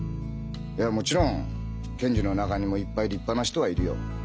いやもちろん検事の中にもいっぱい立派な人はいるよ。